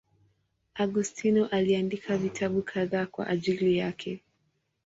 Augustino aliandika vitabu kadhaa kwa ajili yake.